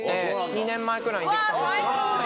２年前くらいにできたんですけど。